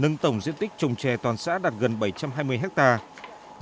nâng tổng diện tích trồng trè toàn xã đạt gần bảy trăm hai mươi hectare